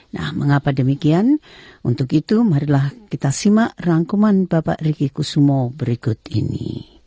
nah mengapa demikian untuk itu marilah kita simak rangkuman bapak riki kusumo berikut ini